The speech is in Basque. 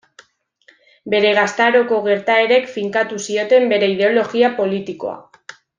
Bere gaztaroko gertaerek finkatu zioten bere ideologia politikoa.